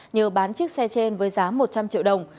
nhờ bán chiếc xe trên với giá một trăm linh triệu đồng